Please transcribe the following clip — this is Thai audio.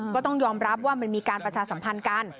ก็ต้องยอมรับว่ามันมีการประชาสัมพันธ์กัน